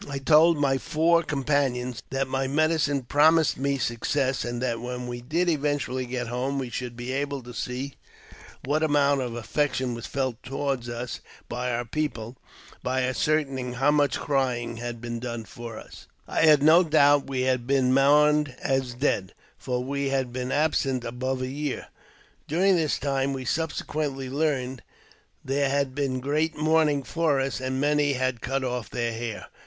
I told my four com panions that my medicine promised me success, and that when we did eventually get home we should be able to see what amount of affection was felt toward us by our people, by ascertaining how much crying had been done for us. I had no doubt we had been mourned as dead, for we had Pe toh pee Kiss (the Eagle Ribs). (A Blackfoot.) •^B R A A? y VNIVSRSITY JAMES P. BECKWOUETH. 273 been absent above a year. During this time, we subsequently learned, there had been great mourning for us, and many had cut off their hair.